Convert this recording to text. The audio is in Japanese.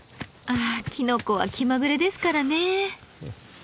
あきのこは気まぐれですからね。